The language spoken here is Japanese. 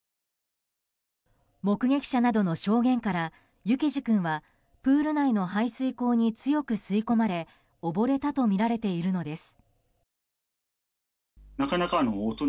目撃者などの証言から幸士君はプール内の排水溝に強く吸い込まれ溺れたとみられているのです。